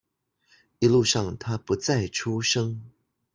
一路上他不再出聲